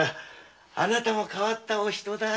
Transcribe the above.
あなたも変わった人だ。